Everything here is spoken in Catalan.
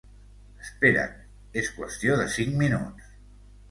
Espera't, és qüestió de cinc minuts.